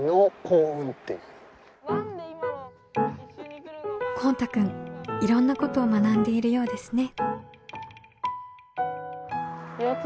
こうたくんいろんなことを学んでいるようですね。